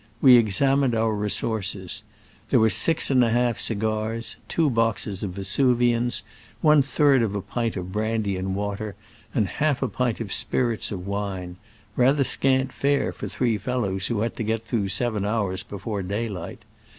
We examined our resources. They were six and half cigars, two boxes of vesuvians, one third of a pint of brandy and water, and half a pint of spirits of wine — rather scant fare for three fellows who had to get through seven hours be fore daylight.